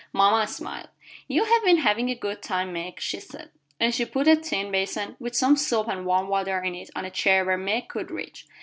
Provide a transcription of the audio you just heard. Mama smiled. "You have been having a good time, Meg," she said. And she put a tin bason with some soap and warm water in it on a chair where Meg could reach.